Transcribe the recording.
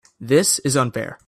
This is unfair.